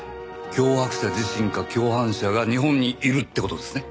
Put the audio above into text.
脅迫者自身か共犯者が日本にいるって事ですね。